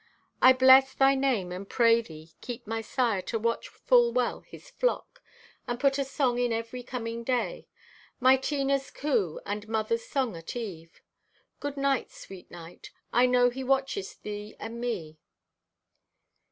I bless Thy name and pray Thee keep my sire to watch full well his flock. And put a song in every coming day; my Tina's coo, and mother's song at eve. Goodnight, sweet night! I know He watcheth thee and me."